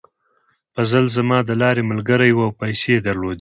فضل زما د لارې ملګری و او پیسې یې درلودې.